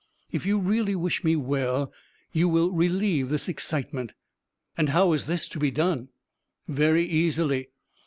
If you really wish me well, you will relieve this excitement." "And how is this to be done?" "Very easily.